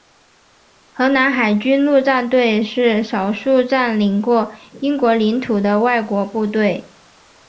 荷兰海军陆战队是少数占领过英国领土的外国部队。